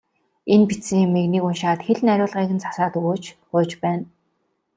Энэ бичсэн юмыг нэг уншаад хэл найруулгыг нь засаад өгөөч, гуйж байна.